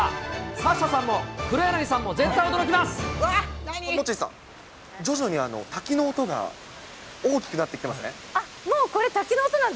サッシャさんも黒柳さんも絶対驚モッチーさん、徐々に滝の音が大きくなってきてません？